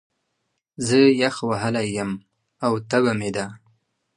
زه يخ وهلی يم، او تبه مې ده